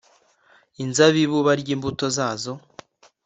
inzabibu barye imbuto zazo